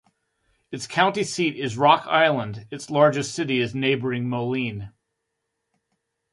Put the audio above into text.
Its county seat is Rock Island; its largest city is neighboring Moline.